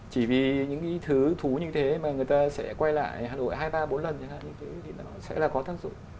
chỉ vì những thứ thú như thế mà người ta sẽ quay lại hà nội hai ba bốn lần thì nó sẽ là có tác dụng